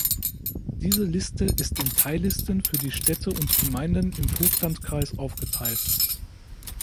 Diese Liste ist in Teillisten für die Städte und Gemeinden im Vogtlandkreis aufgeteilt.